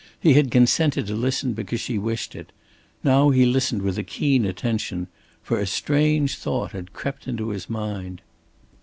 He had consented to listen, because she wished it. Now he listened with a keen attention. For a strange thought had crept into his mind.